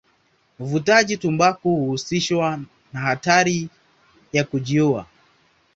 Uvutaji tumbaku huhusishwa na hatari ya kujiua.